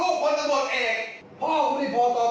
เยี่ยมว่าเขาไม่ได้ทำดาราเข้าอยู่